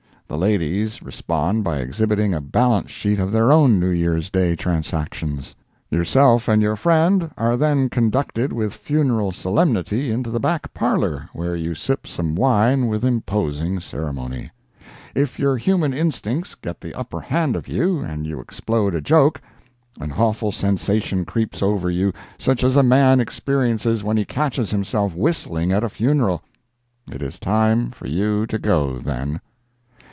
The ladies respond by exhibiting a balance sheet of their own New Year's Day transactions. Yourself and your friend are then conducted with funeral solemnity into the back parlor, where you sip some wine with imposing ceremony. If your human instincts get the upper hand of you and you explode a joke, an awful sensation creeps over you such as a man experiences when he catches himself whistling at a funeral. It is time for you to go, then.